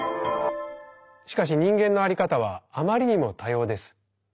しかし人間のあり方はあまりにも多様です。